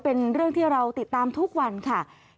เป็นเรื่องที่เราติดตามทุกวันค่ะ